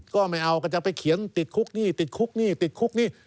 ก็ไม่เอาก็จะไปเขียนติดคุกนี่ติดคุกนี่ติดคุกนี่